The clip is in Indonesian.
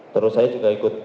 terus saya juga ikut